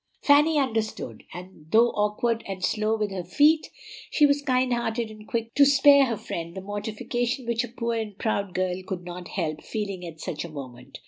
Fanny understood; and though awkward and slow with her feet, she was kind hearted and quick to spare her friend the mortification which a poor and proud girl could not help feeling at such a moment.